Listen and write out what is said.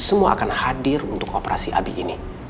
semua akan hadir untuk operasi abi ini